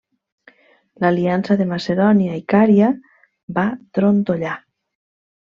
L'aliança de Macedònia i Cària va trontollar.